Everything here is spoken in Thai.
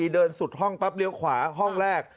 เดินสุดห้องปั๊บเลี้ยวขวาห้องแรก